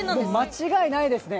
間違いないですね。